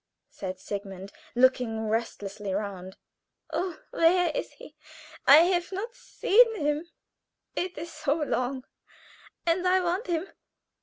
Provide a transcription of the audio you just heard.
said Sigmund, looking restlessly round. "Oh, where is he? I have not seen him it is so long, and I want him.